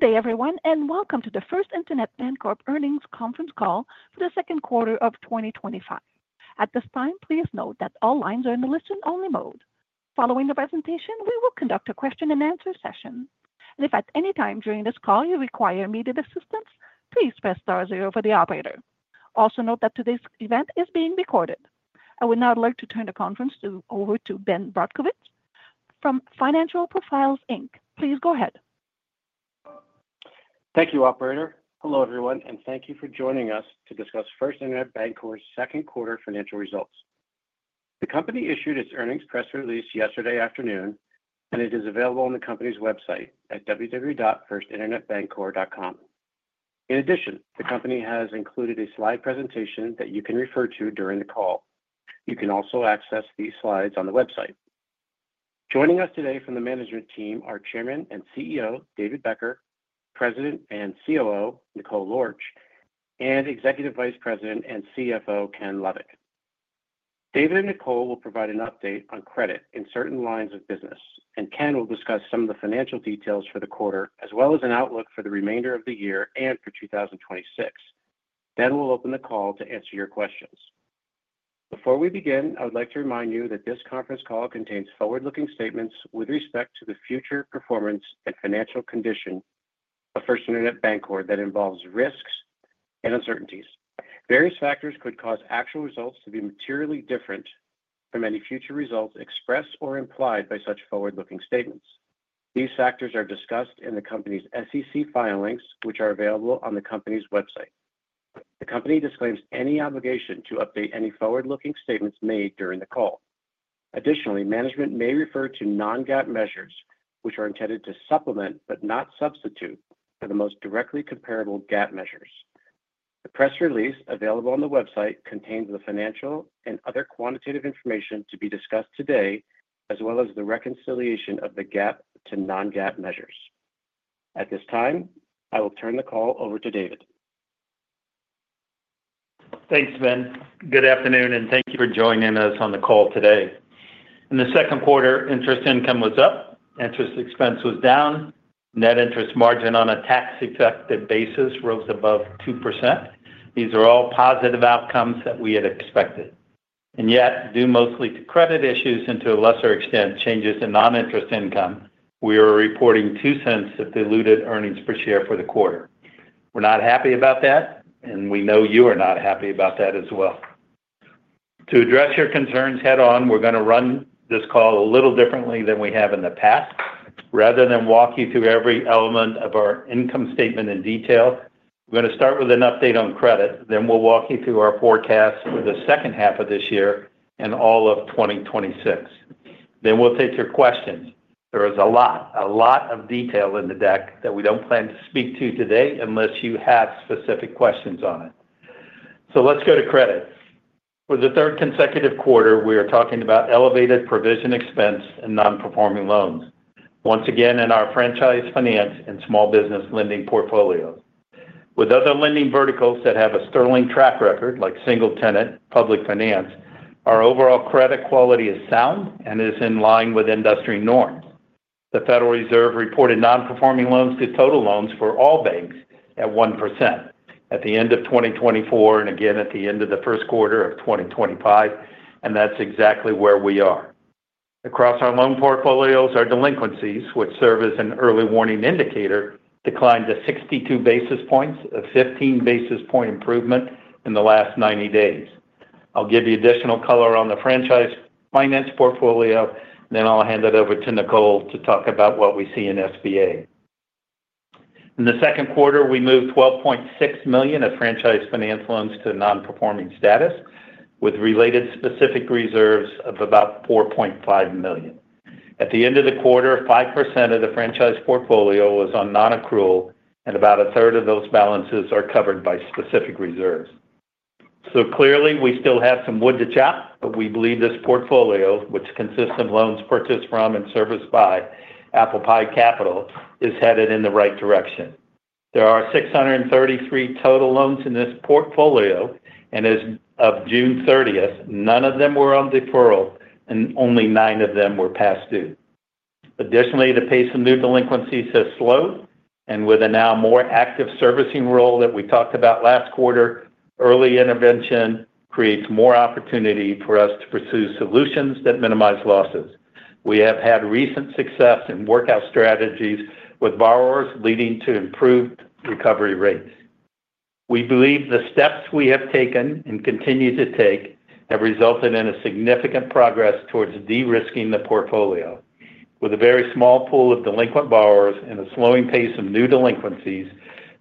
Good day, everyone, and welcome to the First Internet Bancorp earnings conference call for the second quarter of 2025. At this time, please note that all lines are in the listen-only mode. Following the presentation, we will conduct a question-and-answer session. If at any time during this call you require immediate assistance, please press *0 for the operator. Also note that today's event is being recorded. I would now like to turn the conference over to Ben Brodkowitz from Financial Profiles Inc. Please go ahead. Thank you, operator. Hello, everyone, and thank you for joining us to discuss First Internet Bancorp's second quarter financial results. The company issued its earnings press release yesterday afternoon, and it is available on the company's website at www.firstinternetbancorp.com. In addition, the company has included a slide presentation that you can refer to during the call. You can also access these slides on the website. Joining us today from the management team are Chairman and CEO David Becker, President and COO Nicole Lorch, and Executive Vice President and CFO Ken Lovik. David and Nicole will provide an update on credit in certain lines of business, and Ken will discuss some of the financial details for the quarter, as well as an outlook for the remainder of the year and for 2026. We will open the call to answer your questions. Before we begin, I would like to remind you that this conference call contains forward-looking statements with respect to the future performance and financial condition of First Internet Bancorp that involves risks and uncertainties. Various factors could cause actual results to be materially different from any future results expressed or implied by such forward-looking statements. These factors are discussed in the company's SEC filings, which are available on the company's website. The company disclaims any obligation to update any forward-looking statements made during the call. Additionally, management may refer to non-GAAP measures, which are intended to supplement but not substitute for the most directly comparable GAAP measures. The press release available on the website contains the financial and other quantitative information to be discussed today, as well as the reconciliation of the GAAP to non-GAAP measures. At this time, I will turn the call over to David. Thanks, Ben. Good afternoon, and thank you for joining us on the call today. In the second quarter, interest income was up, interest expense was down, net interest margin on a tax-equivalent basis rose above 2%. These are all positive outcomes that we had expected. Yet, due mostly to credit issues and to a lesser extent changes in non-interest income, we are reporting $0.02 of diluted earnings per share for the quarter. We're not happy about that, and we know you are not happy about that as well. To address your concerns head-on, we're going to run this call a little differently than we have in the past. Rather than walk you through every element of our income statement in detail, we're going to start with an update on credit, then we'll walk you through our forecast for the second half of this year and all of 2026. We will then take your questions. There is a lot of detail in the deck that we don't plan to speak to today unless you have specific questions on it. Let's go to credit. For the third consecutive quarter, we are talking about elevated provision expense and non-performing loans, once again in our franchise finance and small business lending portfolio. With other lending verticals that have a sterling track record, like single tenant public finance, our overall credit quality is sound and is in line with industry norms. The Federal Reserve reported non-performing loans to total loans for all banks at 1% at the end of 2024 and again at the end of the first quarter of 2025, and that's exactly where we are. Across our loan portfolios, our delinquencies, which serve as an early warning indicator, declined to 62 basis points, a 15 basis point improvement in the last 90 days. I'll give you additional color on the franchise finance portfolio, then I'll hand it over to Nicole to talk about what we see in SBA. In the second quarter, we moved $12.6 million of franchise finance loans to non-performing status, with related specific reserves of about $4.5 million. At the end of the quarter, 5% of the franchise portfolio was on non-accrual, and about a third of those balances are covered by specific reserves. Clearly, we still have some wood to chop, but we believe this portfolio, which consists of loans purchased from and serviced by Apple Pie Capital, is headed in the right direction. There are 633 total loans in this portfolio, and as of June 30, none of them were on deferral, and only nine of them were past due. Additionally, the pace of new delinquencies has slowed, and with a now more active servicing role that we talked about last quarter, early intervention creates more opportunity for us to pursue solutions that minimize losses. We have had recent success in workout strategies with borrowers, leading to improved recovery rates. We believe the steps we have taken and continue to take have resulted in significant progress towards de-risking the portfolio. With a very small pool of delinquent borrowers and a slowing pace of new delinquencies,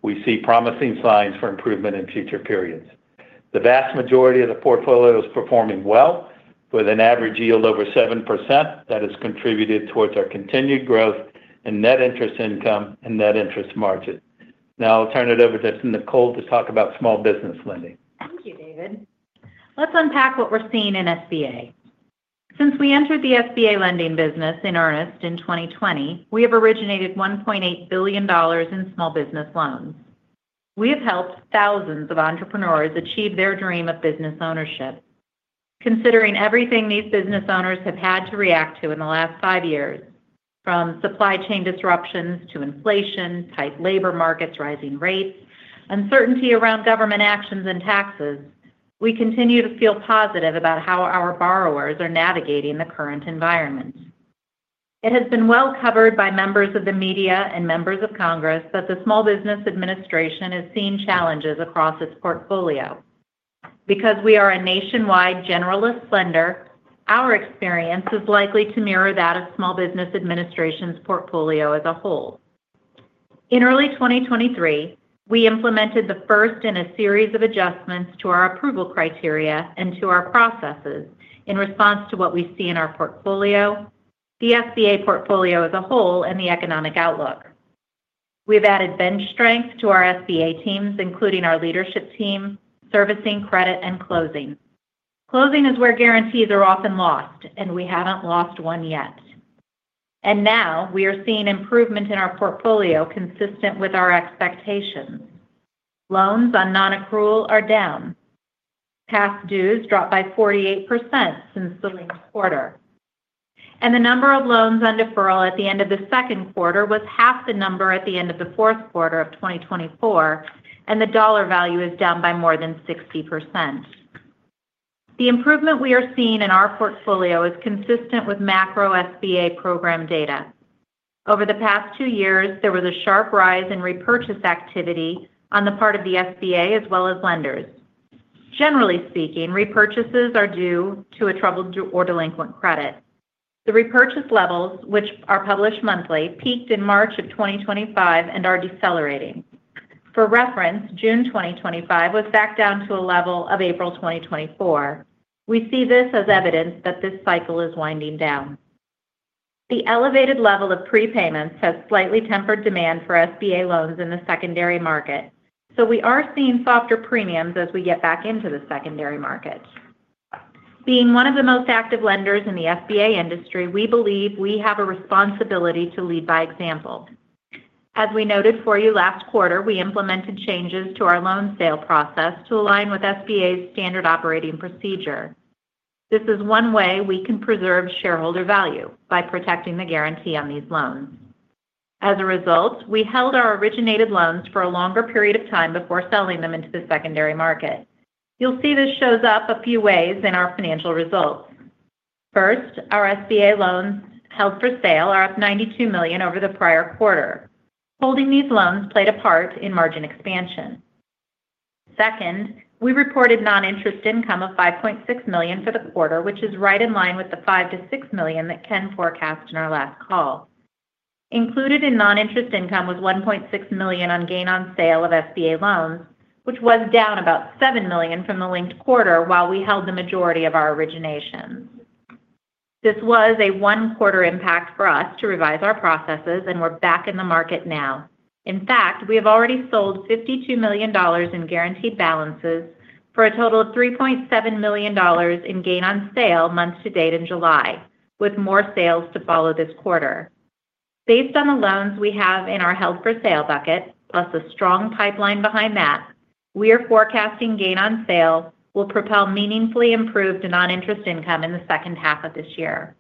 we see promising signs for improvement in future periods. The vast majority of the portfolio is performing well, with an average yield over 7% that has contributed towards our continued growth in net interest income and net interest margin. Now I'll turn it over to Nicole to talk about small business lending. Thank you, David. Let's unpack what we're seeing in SBA. Since we entered the SBA lending business in earnest in 2020, we have originated $1.8 billion in small business loans. We have helped thousands of entrepreneurs achieve their dream of business ownership. Considering everything these business owners have had to react to in the last five years, from supply chain disruptions to inflation, tight labor markets, rising rates, uncertainty around government actions and taxes, we continue to feel positive about how our borrowers are navigating the current environment. It has been well covered by members of the media and members of Congress that the Small Business Administration has seen challenges across its portfolio. Because we are a nationwide generalist lender, our experience is likely to mirror that of the Small Business Administration's portfolio as a whole. In early 2023, we implemented the first in a series of adjustments to our approval criteria and to our processes in response to what we see in our portfolio, the SBA portfolio as a whole, and the economic outlook. We've added bench strengths to our SBA teams, including our leadership team, servicing, credit, and closing. Closing is where guarantees are often lost, and we haven't lost one yet. We are now seeing improvement in our portfolio consistent with our expectations. Loans on non-accrual are down. Past dues dropped by 48% since the latest quarter. The number of loans on deferral at the end of the second quarter was half the number at the end of the fourth quarter of 2024, and the dollar value is down by more than 60%. The improvement we are seeing in our portfolio is consistent with macro SBA program data. Over the past two years, there was a sharp rise in repurchase activity on the part of the SBA as well as lenders. Generally speaking, repurchases are due to a troubled or delinquent credit. The repurchase levels, which are published monthly, peaked in March 2025 and are decelerating. For reference, June 2025 was back down to a level of April 2024. We see this as evidence that this cycle is winding down. The elevated level of prepayments has slightly tempered demand for SBA loans in the secondary market. We are seeing softer premiums as we get back into the secondary market. Being one of the most active lenders in the SBA industry, we believe we have a responsibility to lead by example. As we noted for you last quarter, we implemented changes to our loan sale process to align with SBA's Standard Operating Procedure. This is one way we can preserve shareholder value by protecting the guarantee on these loans. As a result, we held our originated loans for a longer period of time before selling them into the secondary market. You'll see this shows up a few ways in our financial results. First, our SBA loans held for sale are up $92 million over the prior quarter. Holding these loans played a part in margin expansion. Second, we reported non-interest income of $5.6 million for the quarter, which is right in line with the $5 million-$6 million that Ken forecast in our last call. Included in non-interest income was $1.6 million on gain on sale of SBA loans, which was down about $7 million from the linked quarter while we held the majority of our originations. This was a one-quarter impact for us to revise our processes, and we're back in the market now. In fact, we have already sold $52 million in guaranteed balances for a total of $3.7 million in gain on sale month to date in July, with more sales to follow this quarter. Based on the loans we have in our held for sale bucket, plus a strong pipeline behind that, we are forecasting gain on sale will propel meaningfully improved non-interest income in the second half of this year.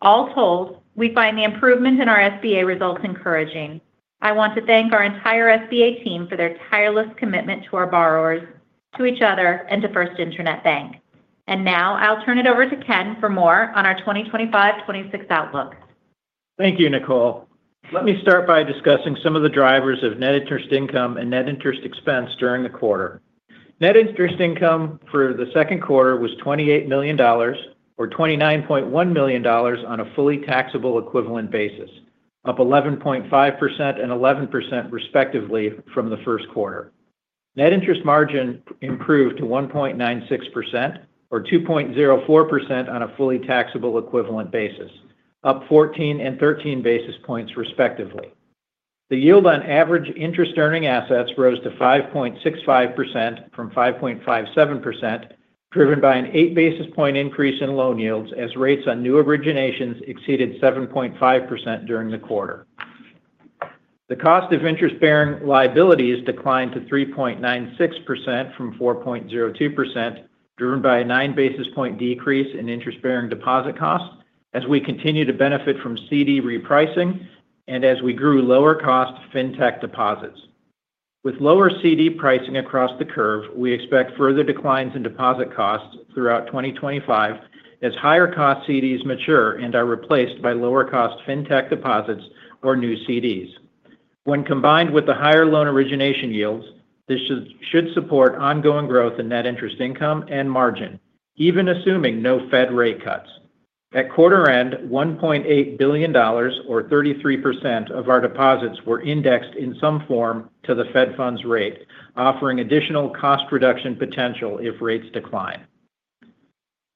All told, we find the improvement in our SBA results encouraging. I want to thank our entire SBA team for their tireless commitment to our borrowers, to each other, and to First Internet Bancorp. Now I'll turn it over to Ken for more on our 2025-2026 outlook. Thank you, Nicole. Let me start by discussing some of the drivers of net interest income and net interest expense during the quarter. Net interest income for the second quarter was $28 million, or $29.1 million on a fully taxable equivalent basis, up 11.5% and 11% respectively from the first quarter. Net interest margin improved to 1.96% or 2.04% on a fully taxable equivalent basis, up 14 and 13 basis points respectively. The yield on average interest-earning assets rose to 5.65% from 5.57%, driven by an 8 basis point increase in loan yields as rates on new originations exceeded 7.5% during the quarter. The cost of interest-bearing liabilities declined to 3.96% from 4.02%, driven by a 9 basis point decrease in interest-bearing deposit costs as we continue to benefit from CD re-pricing and as we grew lower-cost fintech deposits. With lower CD pricing across the curve, we expect further declines in deposit costs throughout 2025 as higher-cost CDs mature and are replaced by lower-cost fintech deposits or new CDs. When combined with the higher loan origination yields, this should support ongoing growth in net interest income and margin, even assuming no Fed rate cuts. At quarter end, $1.8 billion, or 33% of our deposits were indexed in some form to the Fed funds rate, offering additional cost reduction potential if rates decline.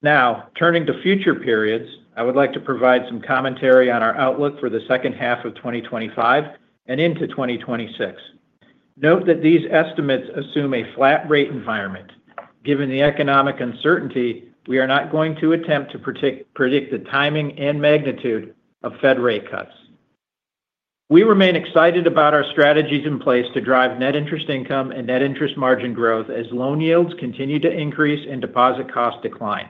Now, turning to future periods, I would like to provide some commentary on our outlook for the second half of 2025 and into 2026. Note that these estimates assume a flat rate environment. Given the economic uncertainty, we are not going to attempt to predict the timing and magnitude of Fed rate cuts. We remain excited about our strategies in place to drive net interest income and net interest margin growth as loan yields continue to increase and deposit costs decline.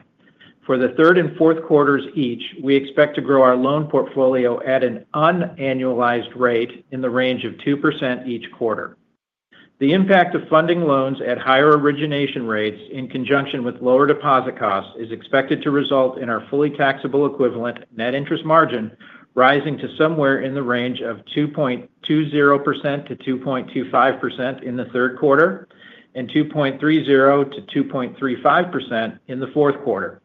For the third and fourth quarters each, we expect to grow our loan portfolio at an unannualized rate in the range of 2% each quarter. The impact of funding loans at higher origination rates in conjunction with lower deposit costs is expected to result in our fully taxable equivalent net interest margin rising to somewhere in the range of 2.20%-2.25% in the third quarter and 2.30%-2.35% in the fourth quarter.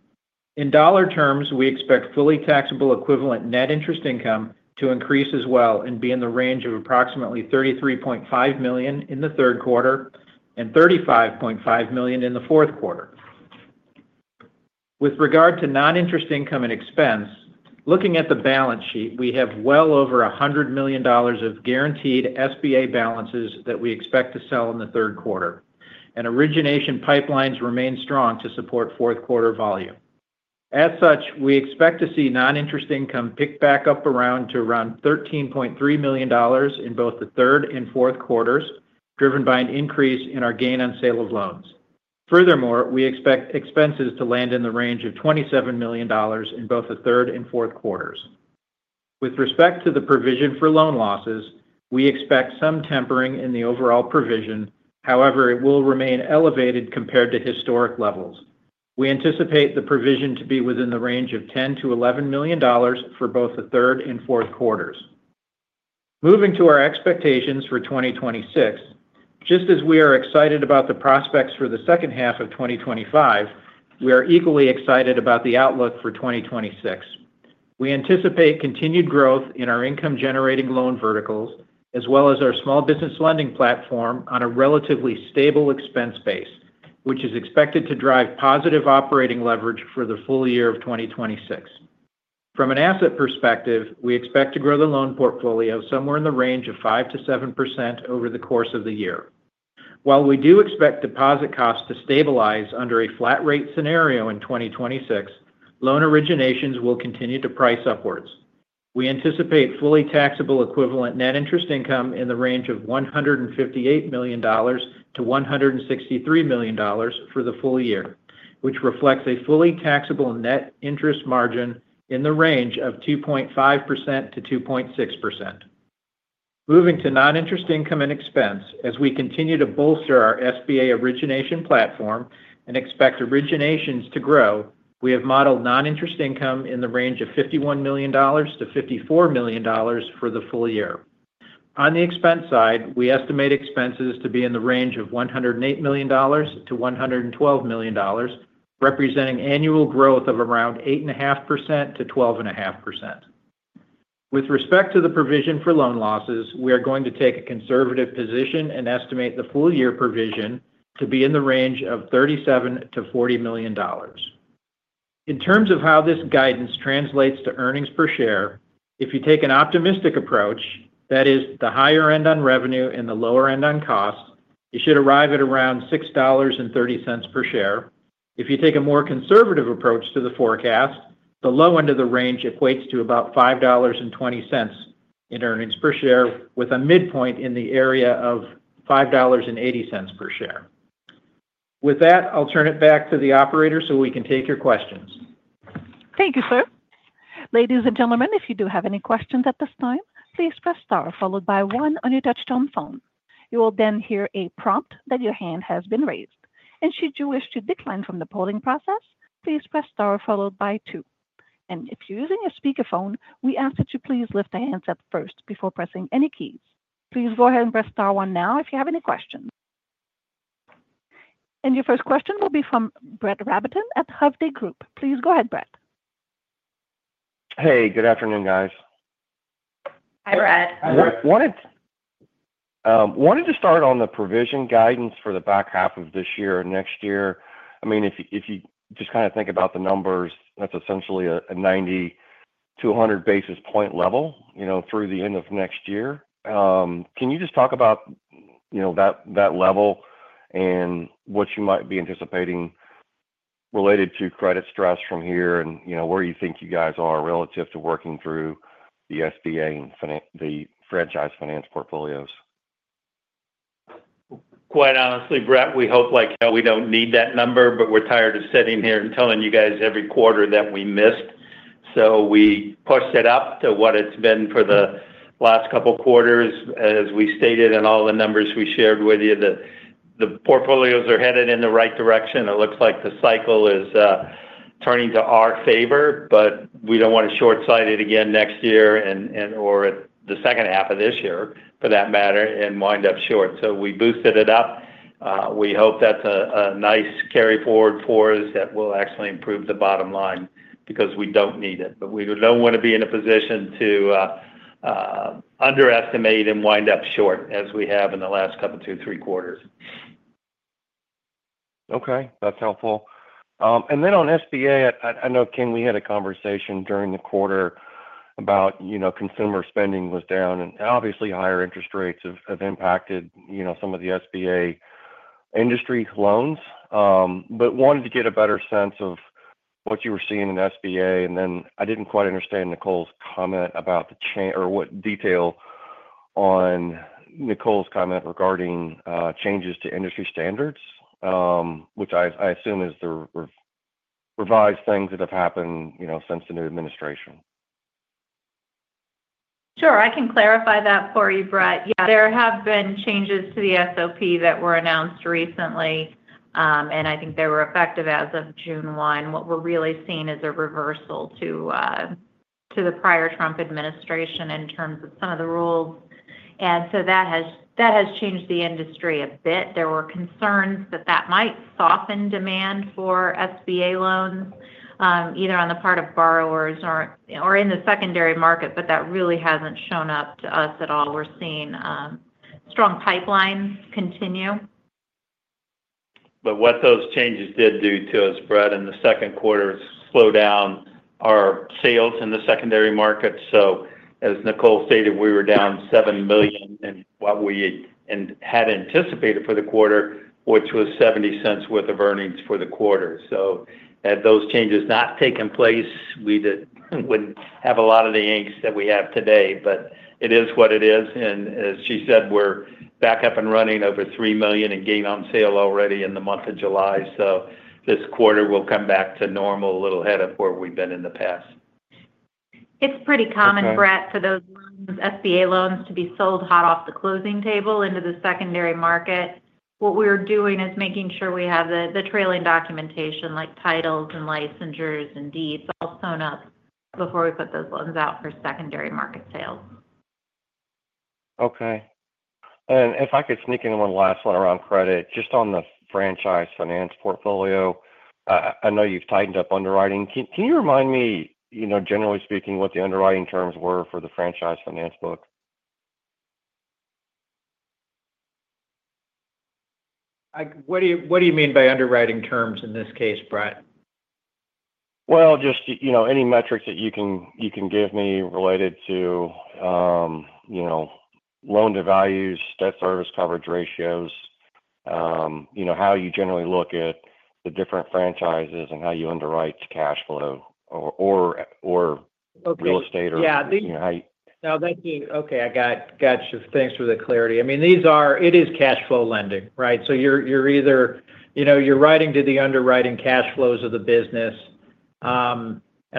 In dollar terms, we expect fully taxable equivalent net interest income to increase as well and be in the range of approximately $33.5 million in the third quarter and $35.5 million in the fourth quarter. With regard to non-interest income and expense, looking at the balance sheet, we have well over $100 million of guaranteed SBA balances that we expect to sell in the third quarter, and origination pipelines remain strong to support fourth quarter volume. As such, we expect to see non-interest income pick back up to around $13.3 million in both the third and fourth quarters, driven by an increase in our gain-on-sale activity. Furthermore, we expect expenses to land in the range of $27 million in both the third and fourth quarters. With respect to the provision for loan losses, we expect some tempering in the overall provision, however, it will remain elevated compared to historic levels. We anticipate the provision to be within the range of $10 million-$11 million for both the third and fourth quarters. Moving to our expectations for 2026, just as we are excited about the prospects for the second half of 2025, we are equally excited about the outlook for 2026. We anticipate continued growth in our income-generating loan verticals, as well as our small business lending platform on a relatively stable expense base, which is expected to drive positive operating leverage for the full year of 2026. From an asset perspective, we expect to grow the loan portfolio somewhere in the range of 5%-7% over the course of the year. While we do expect deposit costs to stabilize under a flat-rate scenario in 2026, loan originations will continue to price upwards. We anticipate fully tax-equivalent net interest income in the range of $158 million-$163 million for the full year, which reflects a fully tax-equivalent net interest margin in the range of 2.5%-2.6%. Moving to non-interest income and expense, as we continue to bolster our SBA origination platform and expect originations to grow, we have modeled non-interest income in the range of $51 million-$54 million for the full year. On the expense side, we estimate expenses to be in the range of $108 million-$112 million, representing annual growth of around 8.5%-12.5%. With respect to the provision for loan losses, we are going to take a conservative position and estimate the full-year provision to be in the range of $37 million-$40 million. In terms of how this guidance translates to earnings per share, if you take an optimistic approach, that is, the higher end on revenue and the lower end on costs, you should arrive at around $6.30 per share. If you take a more conservative approach to the forecast, the low end of the range equates to about $5.20 in earnings per share, with a midpoint in the area of $5.80 per share. With that, I'll turn it back to the operator so we can take your questions. Thank you, sir. Ladies and gentlemen, if you do have any questions at this time, please press star followed by one on your touch-tone phone. You will then hear a prompt that your hand has been raised. Should you wish to decline from the polling process, please press star followed by two. If you're using a speaker phone, we ask that you please lift a handset first before pressing any keys. Please go ahead and press star one now if you have any questions. Your first question will be from Brett Rabatin at Hovde Group. Please go ahead, Brett. Hey, good afternoon, guys. Hi, Brett. I wanted to start on the provision guidance for the back half of this year and next year. If you just kind of think about the numbers, that's essentially a 90-100 basis point level through the end of next year. Can you just talk about that level and what you might be anticipating related to credit stress from here, and where you think you guys are relative to working through the SBA and the franchise finance portfolios? Quite honestly, Brett, we hope like we don't need that number, but we're tired of sitting here and telling you guys every quarter that we missed. We pushed it up to what it's been for the last couple of quarters. As we stated in all the numbers we shared with you, the portfolios are headed in the right direction. It looks like the cycle is turning to our favor, but we don't want to short-sight it again next year and/or the second half of this year, for that matter, and wind up short. We boosted it up. We hope that's a nice carry forward for us that will actually improve the bottom line because we don't need it. We don't want to be in a position to underestimate and wind up short as we have in the last couple of two, three quarters. Okay, that's helpful. On SBA, I know, Ken, we had a conversation during the quarter about consumer spending was down and obviously higher interest rates have impacted some of the SBA industry loans. I wanted to get a better sense of what you were seeing in SBA. I didn't quite understand Nicole's comment about the change or what detail on Nicole's comment regarding changes to industry standards, which I assume is the revised things that have happened since the new administration. Sure, I can clarify that for you, Brett. There have been changes to the Standard Operating Procedure that were announced recently, and I think they were effective as of June 1. What we're really seeing is a reversal to the prior Trump administration in terms of some of the rules. That has changed the industry a bit. There were concerns that might soften demand for SBA loans, either on the part of borrowers or in the secondary market, but that really hasn't shown up to us at all. We're seeing strong pipelines continue. What those changes did do to us, Brett, in the second quarter is slow down our sales in the secondary market. As Nicole stated, we were down $7 million in what we had anticipated for the quarter, which was $0.70 worth of earnings for the quarter. Had those changes not taken place, we wouldn't have a lot of the angst that we have today. It is what it is. As she said, we're back up and running over $3 million in gain-on-sale already in the month of July. This quarter will come back to normal, a little ahead of where we've been in the past. It's pretty common, Brett, for those SBA loans to be sold hot off the closing table into the secondary market. What we're doing is making sure we have the trailing documentation, like titles, licensures, and deeds, all sewn up before we put those loans out for secondary market sales. Okay. If I could sneak in one last one around credit, just on the franchise finance portfolio, I know you've tightened up underwriting. Can you remind me, generally speaking, what the underwriting terms were for the franchise finance book? What do you mean by underwriting standards in this case, Brett? Are there any metrics that you can give me related to loan-to-values, debt service coverage ratios, how you generally look at the different franchises, and how you underwrite the cash flow or real estate? Yeah, I think, okay, I got you. Thanks for the clarity. I mean, these are, it is cash flow lending, right? You're either, you know, you're writing to the underwriting cash flows of the business.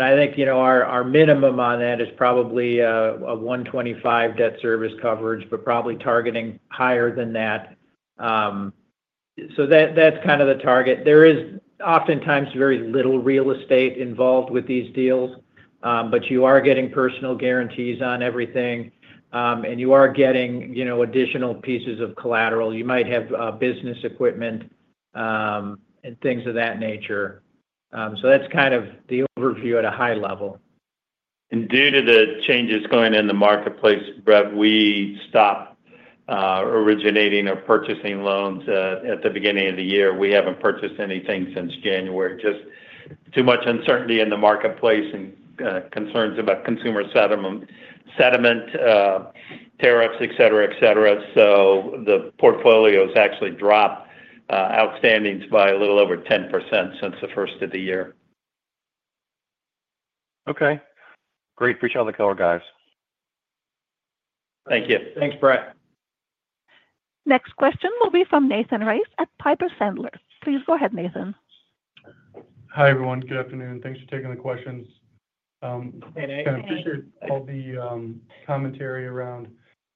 I think our minimum on that is probably a 1.25 debt service coverage, but probably targeting higher than that. That's kind of the target. There is oftentimes very little real estate involved with these deals, but you are getting personal guarantees on everything. You are getting additional pieces of collateral. You might have business equipment and things of that nature. That's kind of the overview at a high level. Due to the changes going in the marketplace, Brett, we stopped originating or purchasing loans at the beginning of the year. We haven't purchased anything since January. There is just too much uncertainty in the marketplace and concerns about consumer settlement, tariffs, etc. The portfolios actually dropped outstandings by a little over 10% since the first of the year. Okay. Great. Appreciate all the color, guys. Thank you. Thanks, Brett. Next question will be from Nathan Race at Piper Sandler. Please go ahead, Nathan. Hi, everyone. Good afternoon. Thanks for taking the questions. I appreciate all the commentary around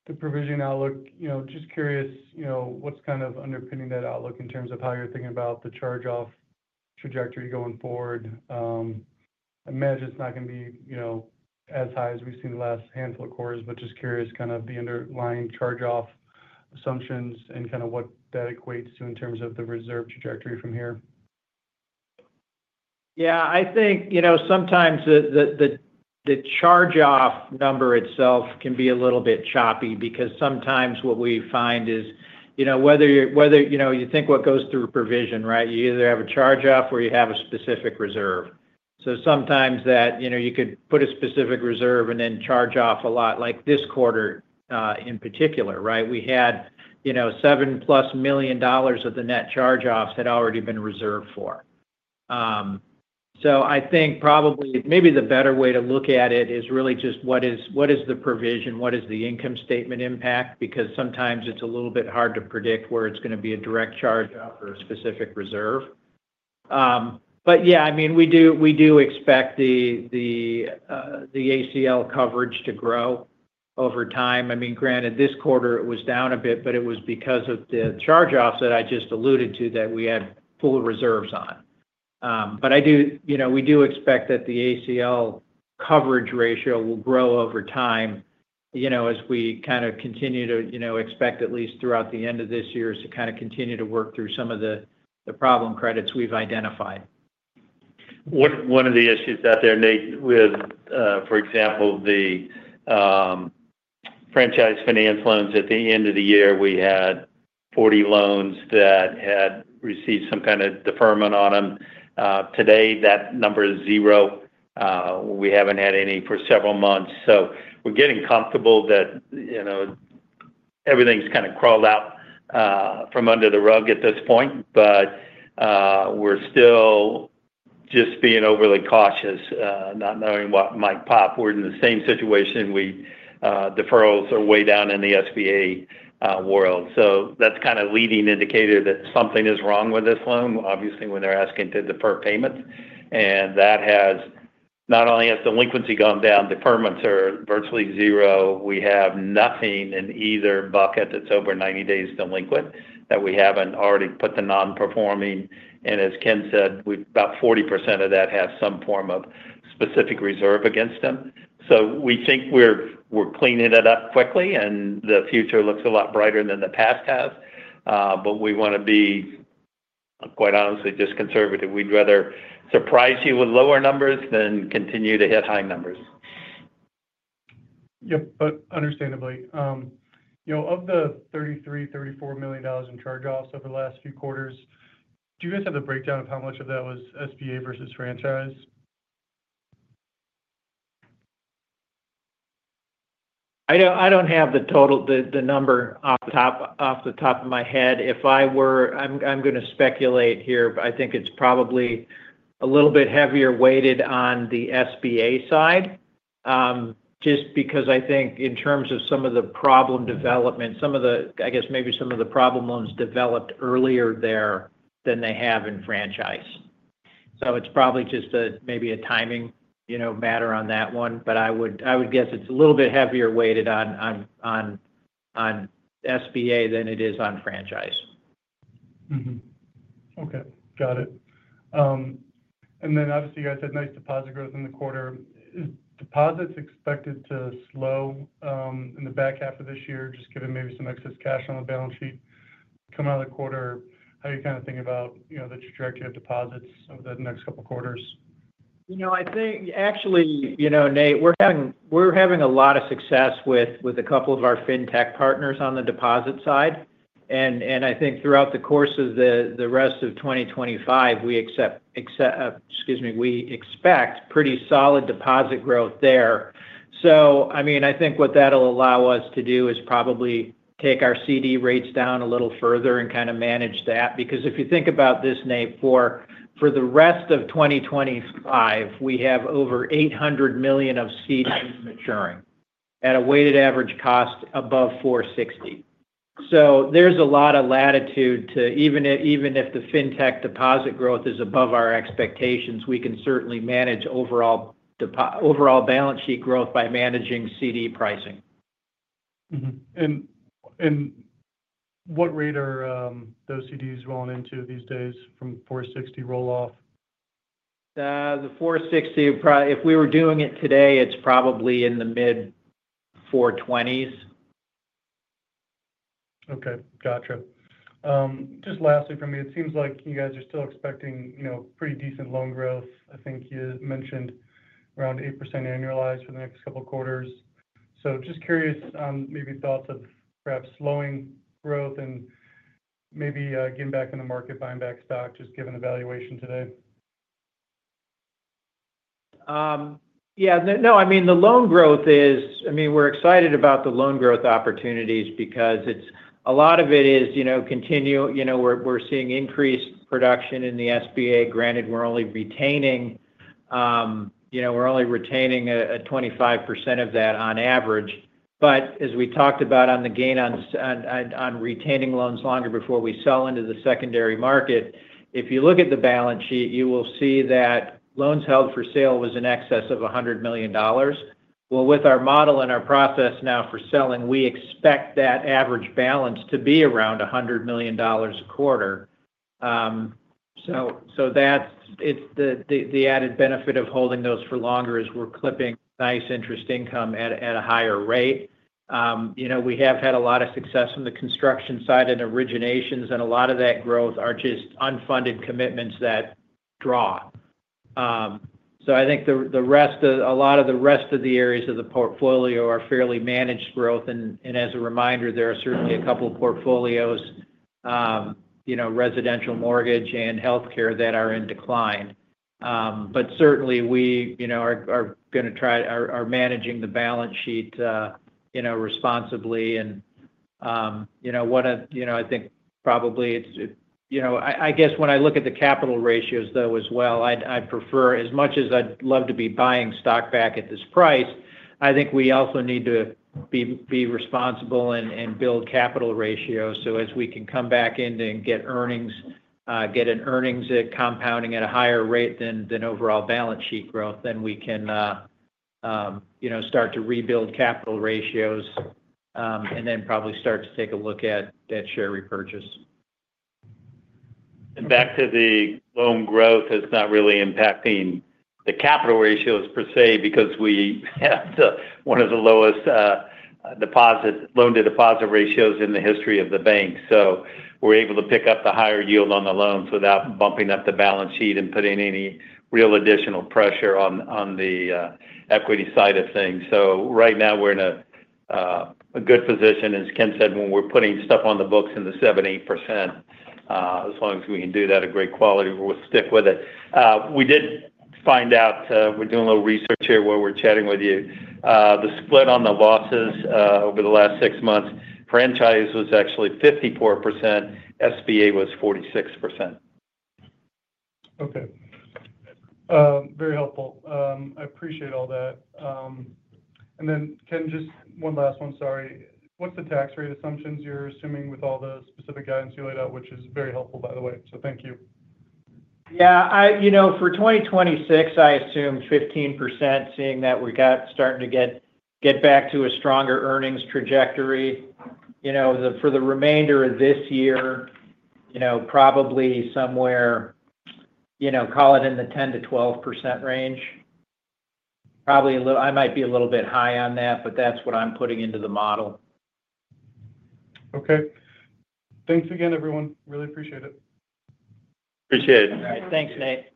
the provision outlook. Just curious, what's kind of underpinning that outlook in terms of how you're thinking about the charge-off trajectory going forward? I imagine it's not going to be as high as we've seen the last handful of quarters, just curious kind of the underlying charge-off assumptions and what that equates to in terms of the reserve trajectory from here. I think sometimes the charge-off number itself can be a little bit choppy because sometimes what we find is, whether you think what goes through provision, right? You either have a charge-off or you have a specific reserve. Sometimes you could put a specific reserve and then charge off a lot, like this quarter in particular. We had $7 million plus of the net charge-offs that had already been reserved for. I think probably maybe the better way to look at it is really just what is the provision, what is the income statement impact, because sometimes it's a little bit hard to predict where it's going to be a direct charge or a specific reserve. We do expect the ACL coverage to grow over time. Granted, this quarter it was down a bit, but it was because of the charge-offs that I just alluded to that we had full reserves on. We do expect that the ACL coverage ratio will grow over time, as we kind of continue to expect at least throughout the end of this year to continue to work through some of the problem credits we've identified. One of the issues out there, Nate, with, for example, the franchise finance loans at the end of the year, we had 40 loans that had received some kind of deferment on them. Today, that number is zero. We haven't had any for several months. We're getting comfortable that, you know, everything's kind of crawled out from under the rug at this point, but we're still just being overly cautious, not knowing what might pop. We're in the same situation. Deferrals are way down in the SBA world. That's kind of a leading indicator that something is wrong with this loan, obviously, when they're asking to defer payments. That has, not only has delinquency gone down, deferments are virtually zero. We have nothing in either bucket that's over 90 days delinquent that we haven't already put the non-performing. As Ken said, about 40% of that has some form of specific reserve against them. We think we're cleaning it up quickly, and the future looks a lot brighter than the past has. We want to be, quite honestly, just conservative. We'd rather surprise you with lower numbers than continue to hit high numbers. Yep, understandably. You know, of the $33 million, $34 million in charge-offs over the last few quarters, do you guys have the breakdown of how much of that was SBA versus franchise? I don't have the total, the number off the top of my head. I'm going to speculate here, but I think it's probably a little bit heavier weighted on the SBA side, just because I think in terms of some of the problem development, maybe some of the problem loans developed earlier there than they have in franchise. It's probably just maybe a timing matter on that one. I would guess it's a little bit heavier weighted on SBA than it is on franchise. Okay, got it. Obviously you guys had nice deposit growth in the quarter. Is deposits expected to slow in the back half of this year, just given maybe some excess cash on the balance sheet coming out of the quarter? How are you kind of thinking about, you know, the trajectory of deposits over the next couple of quarters? I think actually, you know, Nate, we're having a lot of success with a couple of our fintech partners on the deposit side. I think throughout the course of the rest of 2025, we expect pretty solid deposit growth there. I mean, I think what that'll allow us to do is probably take our CD rates down a little further and kind of manage that. If you think about this, Nate, for the rest of 2025, we have over $800 million of CDs maturing at a weighted average cost above $4.60. There's a lot of latitude to, even if the fintech deposit growth is above our expectations, we can certainly manage overall balance sheet growth by managing CD pricing. What rate are those CDs rolling into these days from the $460 million roll-off? The $460, if we were doing it today, it's probably in the mid $420s. Okay, gotcha. Just lastly for me, it seems like you guys are still expecting, you know, pretty decent loan growth. I think you mentioned around 8% annualized for the next couple of quarters. Just curious on maybe thoughts of perhaps slowing growth and maybe getting back in the market, buying back stock, just given the valuation today. Yeah, no, I mean, the loan growth is, I mean, we're excited about the loan growth opportunities because a lot of it is, you know, continue, you know, we're seeing increased production in the SBA. Granted, we're only retaining, you know, we're only retaining 25% of that on average. As we talked about on the gain on retaining loans longer before we sell into the secondary market, if you look at the balance sheet, you will see that loans held for sale was in excess of $100 million. With our model and our process now for selling, we expect that average balance to be around $100 million a quarter. That's the added benefit of holding those for longer, we're clipping nice interest income at a higher rate. We have had a lot of success from the construction side and originations, and a lot of that growth are just unfunded commitments that draw. I think the rest, a lot of the rest of the areas of the portfolio are fairly managed growth. As a reminder, there are certainly a couple of portfolios, you know, residential mortgage and healthcare that are in decline. Certainly, we, you know, are going to try our managing the balance sheet, you know, responsibly. One of, you know, I think probably, you know, I guess when I look at the capital ratios though, as well, I'd prefer, as much as I'd love to be buying stock back at this price, I think we also need to be responsible and build capital ratios. As we can come back in and get earnings, get an earnings compounding at a higher rate than overall balance sheet growth, then we can, you know, start to rebuild capital ratios and then probably start to take a look at share repurchase. Back to the loan growth, it's not really impacting the capital ratios per se because we have one of the lowest loan-to-deposit ratios in the history of the bank. We're able to pick up the higher yield on the loans without bumping up the balance sheet and putting any real additional pressure on the equity side of things. Right now we're in a good position. As Ken said, when we're putting stuff on the books in the 7%, 8%, as long as we can do that at great quality, we'll stick with it. We did find out, we're doing a little research here while we're chatting with you, the split on the losses over the last six months. Franchise finance was actually 54%, SBA was 46%. Okay. Very helpful. I appreciate all that. Ken, just one last one. Sorry. What's the tax rate assumptions you're assuming with all the specific guidance you laid out, which is very helpful, by the way? Thank you. Yeah, for 2026, I assume 15%, seeing that we're starting to get back to a stronger earnings trajectory. For the remainder of this year, probably somewhere, call it in the 10%-12% range. Probably a little, I might be a little bit high on that, but that's what I'm putting into the model. Okay, thanks again, everyone. Really appreciate it. Appreciate it. All right. Thanks, Nate.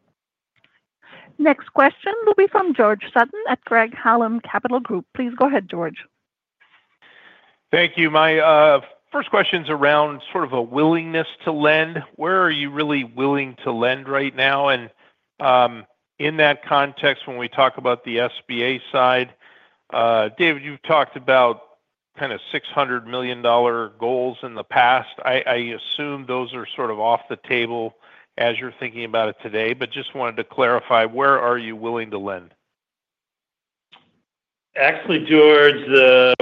Next question will be from George Sutton at Craig-Hallum. Please go ahead, George. Thank you. My first question is around sort of a willingness to lend. Where are you really willing to lend right now? In that context, when we talk about the SBA side, David, you've talked about kind of $600 million goals in the past. I assume those are sort of off the table as you're thinking about it today, but just wanted to clarify, where are you willing to lend? Actually, George,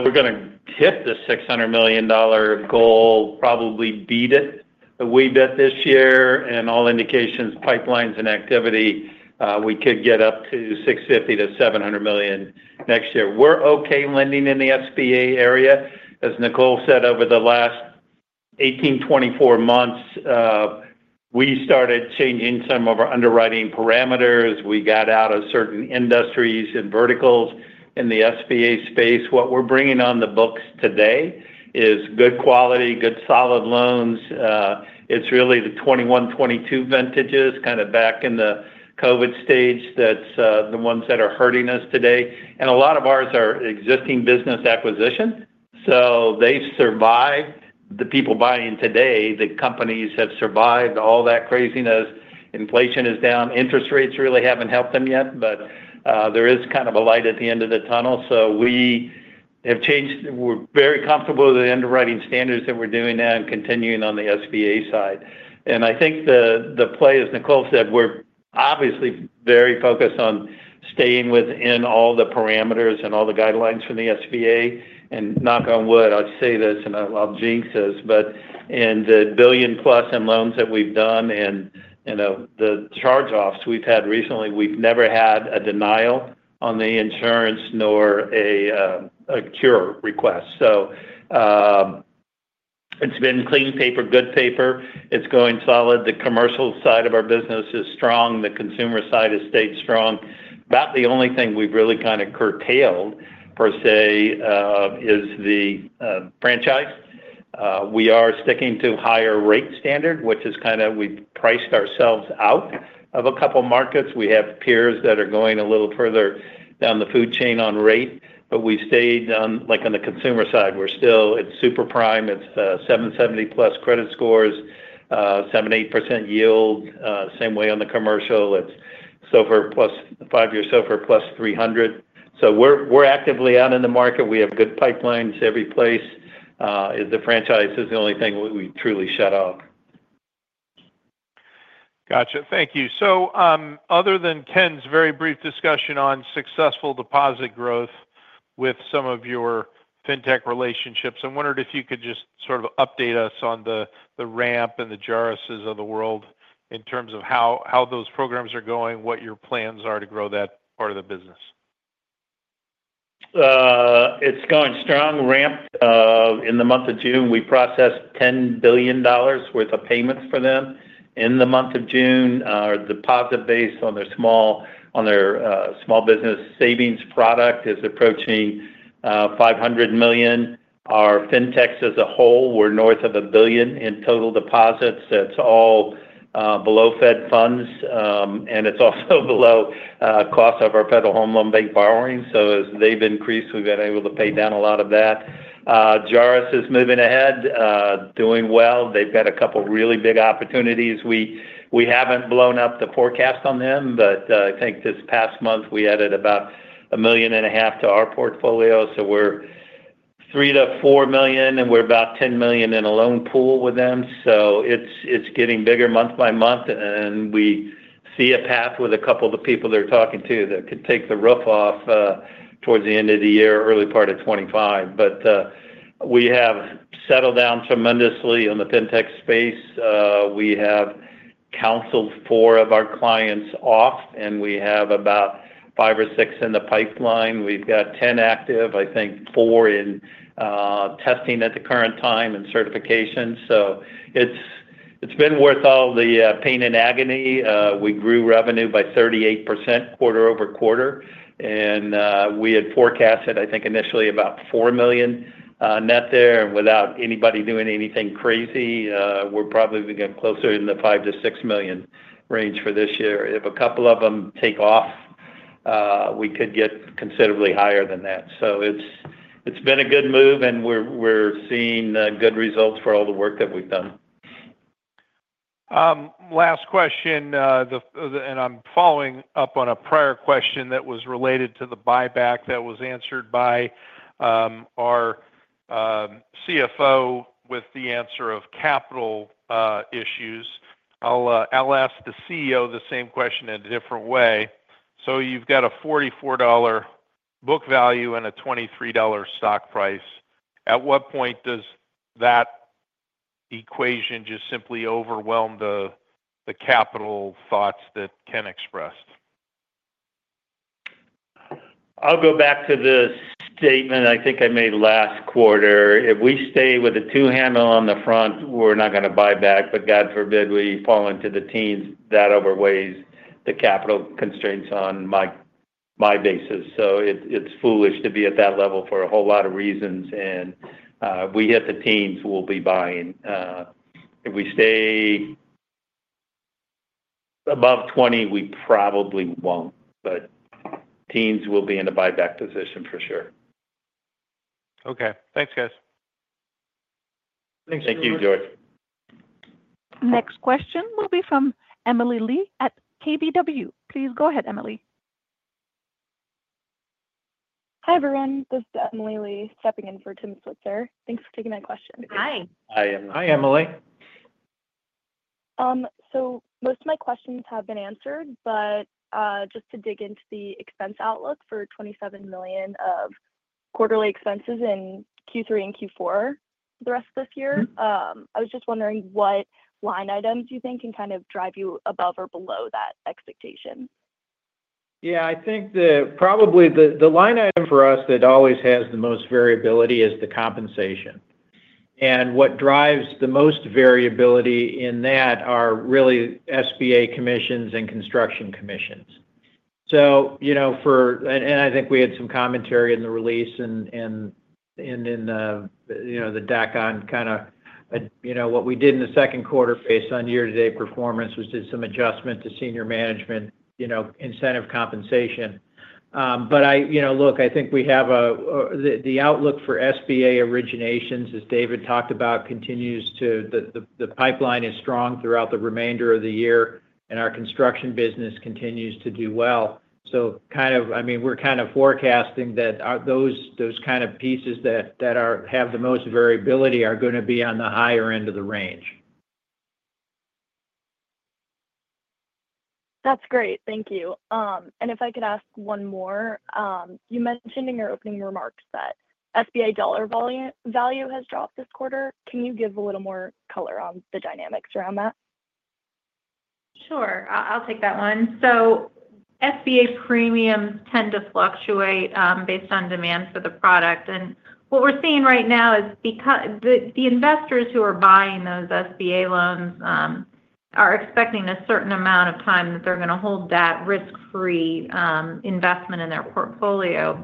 we're going to hit the $600 million goal, probably beat it that we bet this year, and all indications, pipelines and activity, we could get up to $650 million-$700 million next year. We're okay lending in the SBA area. As Nicole said, over the last 18, 24 months, we started changing some of our underwriting parameters. We got out of certain industries and verticals in the SBA space. What we're bringing on the books today is good quality, good solid loans. It's really the 2021, 2022 vintages, kind of back in the COVID stage, that's the ones that are hurting us today. A lot of ours are existing business acquisition. They've survived. The people buying today, the companies have survived all that craziness. Inflation is down. Interest rates really haven't helped them yet, but there is kind of a light at the end of the tunnel. We have changed, we're very comfortable with the underwriting standards that we're doing now and continuing on the SBA side. I think the play, as Nicole said, we're obviously very focused on staying within all the parameters and all the guidelines from the SBA. Knock on wood, I'll say this and I'll jinx this, but in the billion plus in loans that we've done and, you know, the charge-offs we've had recently, we've never had a denial on the insurance nor a cure request. It's been clean paper, good paper. It's going solid. The commercial side of our business is strong. The consumer side has stayed strong. About the only thing we've really kind of curtailed per se is the franchise. We are sticking to a higher rate standard, which is kind of we've priced ourselves out of a couple of markets. We have peers that are going a little further down the food chain on rate, but we've stayed on like on the consumer side. We're still, it's super prime. It's 770 plus credit scores, 78% yield. Same way on the commercial. It's SOFR plus five years, SOFR plus 300. We're actively out in the market. We have good pipelines every place. The franchise is the only thing we truly shut off. Thank you. Other than Ken's very brief discussion on successful deposit growth with some of your fintech relationships, I wondered if you could just sort of update us on the Ramp and the Gyrus programs in terms of how those programs are going, what your plans are to grow that part of the business. It's going strong, ramped in the month of June. We processed $10 billion worth of payments for them in the month of June. Our deposit base on their small business savings product is approaching $500 million. Our fintechs as a whole, we're north of $1 billion in total deposits. That's all below Fed funds, and it's also below cost of our Federal Home Loan Bank borrowing. As they've increased, we've been able to pay down a lot of that. Gyrus is moving ahead, doing well. They've got a couple of really big opportunities. We haven't blown up the forecast on them, but I think this past month we added about $1.5 million to our portfolio. We're $3 million-$4 million, and we're about $10 million in a loan pool with them. It's getting bigger month by month, and we see a path with a couple of the people they're talking to that could take the roof off towards the end of the year, early part of 2025. We have settled down tremendously in the fintech space. We have counseled four of our clients off, and we have about five or six in the pipeline. We've got 10 active, I think four in testing at the current time and certifications. It's been worth all the pain and agony. We grew revenue by 38% quarter over quarter. We had forecasted, I think, initially about $4 million net there, and without anybody doing anything crazy, we're probably going to be closer in the $5 million-$6 million range for this year. If a couple of them take off, we could get considerably higher than that. It's been a good move, and we're seeing good results for all the work that we've done. Last question, and I'm following up on a prior question that was related to the buyback that was answered by our CFO with the answer of capital issues. I'll ask the CEO the same question in a different way. You've got a $44 book value and a $23 stock price. At what point does that equation just simply overwhelm the capital thoughts that Ken expressed? I'll go back to the statement I think I made last quarter. If we stay with a two-handle on the front, we're not going to buy back. God forbid we fall into the teens, that overweighs the capital constraints on my basis. It is foolish to be at that level for a whole lot of reasons. If we hit the teens, we'll be buying. If we stay above $20 million, we probably won't. Teens will be in a buyback position for sure. Okay, thanks, guys. Thank you, George. Next question will be from Emily Lee at KBW. Please go ahead, Emily. Hi, everyone. This is Emily Lee stepping in for Tim Switzer. Thanks for taking my question. Hi. Hi, Emily. Most of my questions have been answered, but just to dig into the expense outlook for $27 million of quarterly expenses in Q3 and Q4 the rest of this year, I was just wondering what line items you think can kind of drive you above or below that expectation. Yeah, I think that probably the line item for us that always has the most variability is the compensation. What drives the most variability in that are really SBA commissions and construction commissions. I think we had some commentary in the release and in the deck on what we did in the second quarter based on year-to-date performance, which is some adjustment to senior management incentive compensation. I think we have a, the outlook for SBA originations, as David talked about, continues to, the pipeline is strong throughout the remainder of the year, and our construction business continues to do well. We're kind of forecasting that those pieces that have the most variability are going to be on the higher end of the range. That's great. Thank you. If I could ask one more, you mentioned in your opening remarks that SBA dollar value has dropped this quarter. Can you give a little more color on the dynamics around that? Sure. I'll take that one. SBA premiums tend to fluctuate based on demand for the product. What we're seeing right now is because the investors who are buying those SBA loans are expecting a certain amount of time that they're going to hold that risk-free investment in their portfolio.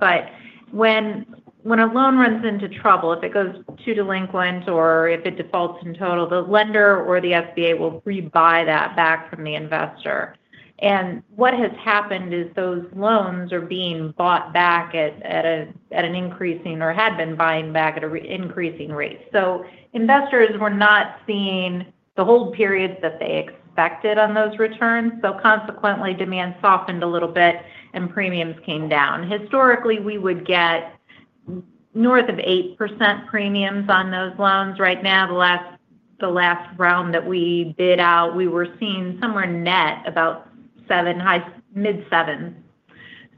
When a loan runs into trouble, if it goes too delinquent or if it defaults in total, the lender or the SBA will rebuy that back from the investor. What has happened is those loans are being bought back at an increasing or had been buying back at an increasing rate. Investors were not seeing the hold periods that they expected on those returns. Consequently, demand softened a little bit and premiums came down. Historically, we would get north of 8% premiums on those loans. Right now, the last round that we bid out, we were seeing somewhere net about 7%, high mid-7%.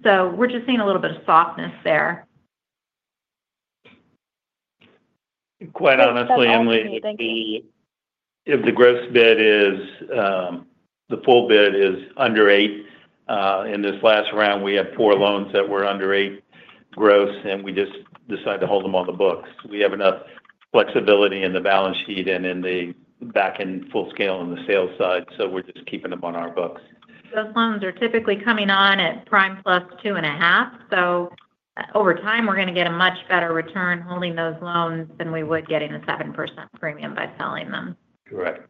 We're just seeing a little bit of softness there. Quite honestly, Emily, if the gross bid is, the full bid is under 8%. In this last round, we had four loans that were under 8% gross, and we just decided to hold them on the books. We have enough flexibility in the balance sheet and in the back-end full scale on the sales side, so we're just keeping them on our books. Those loans are typically coming on at prime plus 2.5%. Over time, we're going to get a much better return holding those loans than we would getting a 7% premium by selling them. Correct.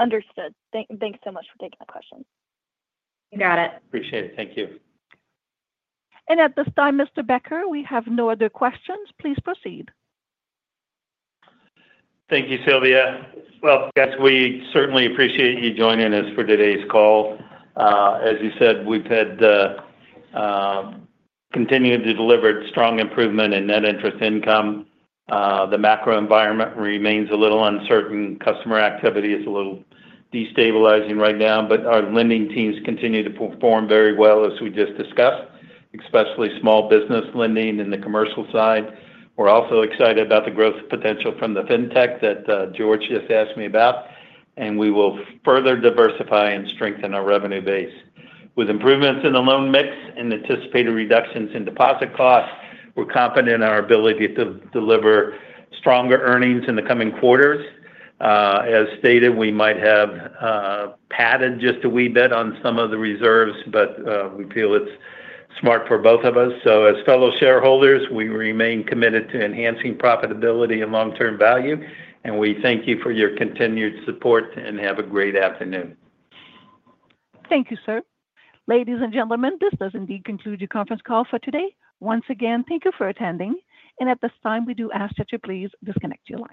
Understood. Thanks so much for taking the question. You got it. Appreciate it. Thank you. At this time, Mr. Becker, we have no other questions. Please proceed. Thank you, Sylvia. We certainly appreciate you joining us for today's call. As you said, we've had continued to deliver strong improvement in net interest income. The macro environment remains a little uncertain. Customer activity is a little destabilizing right now, but our lending teams continue to perform very well, as we just discussed, especially small business lending in the commercial side. We're also excited about the growth potential from the fintech that George just asked me about. We will further diversify and strengthen our revenue base. With improvements in the loan mix and anticipated reductions in deposit costs, we're confident in our ability to deliver stronger earnings in the coming quarters. As stated, we might have padded just a wee bit on some of the reserves, but we feel it's smart for both of us. As fellow shareholders, we remain committed to enhancing profitability and long-term value. We thank you for your continued support and have a great afternoon. Thank you, sir. Ladies and gentlemen, this does indeed conclude your conference call for today. Once again, thank you for attending. At this time, we do ask that you please disconnect your mic.